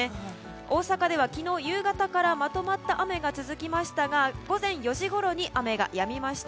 大阪では昨日夕方からまとまった雨が続きましたが午前４時ごろに雨がやみました。